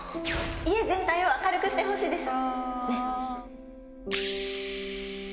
家全体を明るくしてほしいです。